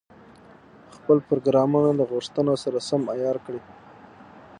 خپل پروګرامونه له غوښتنو سره سم عیار کړي.